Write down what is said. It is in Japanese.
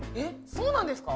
そうなんですか。